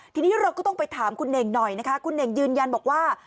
ทีนี้เราก็ต้องไปถามคุณเน่งหน่อยนะคะคุณเน่งยืนยันบอกว่า